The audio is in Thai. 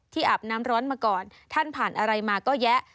อาบน้ำร้อนมาก่อนท่านผ่านอะไรมาก็แยะ